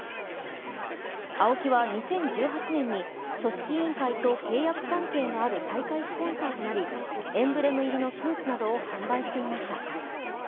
ＡＯＫＩは２０１８年に組織委員会と契約関係のある大会スポンサーとなり、エンブレム入りのスーツなどを販売していました。